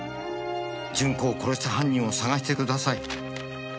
「順子を殺した犯人を捜してください」